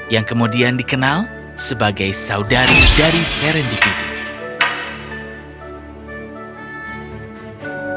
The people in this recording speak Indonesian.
yang kemudian dikenal sebagai saudari dari serendividu